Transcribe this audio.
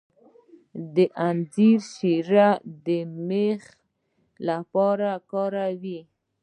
د انځر شیره د میخ لپاره وکاروئ